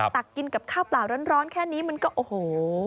ตักกินกับข้าวเปล่าร้อนแค่นี้มันก็โอ้โห